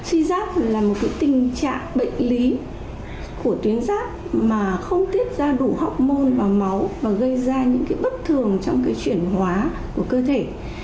suy giáp là một tình trạng bệnh lý của tuyến giáp mà không tiết ra đủ học môn vào máu và gây ra những cái bất thường trong cái chuyển hóa của cơ thể